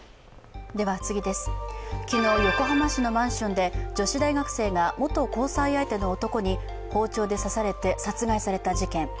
昨日、横浜市のマンションで女子大学生が、元交際相手の男に包丁で刺されて殺害された事件。